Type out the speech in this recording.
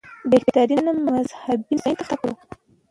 بهترینه مذهبي نسخه انتخاب کړو.